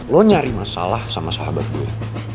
lo nyari masalah sama sahabat gue